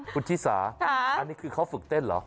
คุณชิสาอันนี้คือเขาฝึกเต้นเหรอ